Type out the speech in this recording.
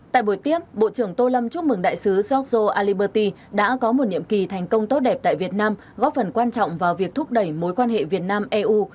tại buổi tiếp bộ trưởng tô lâm chúc mừng đại sứ georgio aliberti đã có một nhiệm kỳ thành công tốt đẹp tại việt nam góp phần quan trọng vào việc thúc đẩy mối quan hệ việt nam eu